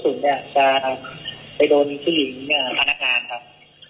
แต่ผมไม่คิดว่าลูกกระสุนจะไปโดนผู้หลิงพนักงานครับ